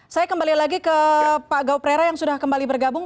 saya kembali lagi ke pak gauprera yang sudah kembali bergabung